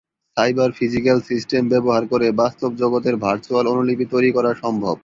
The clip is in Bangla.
সাইবার ফিজিক্যাল সিস্টেম ব্যবহার করে বাস্তব জগতের ভার্চুয়াল অনুলিপি তৈরী করা সম্ভব।